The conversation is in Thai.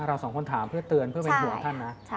เราสองคนต้องถามเพื่อเตือนเป็นหัวท่านนะ